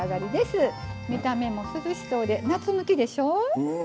見た目も涼しそうで夏向きでしょう？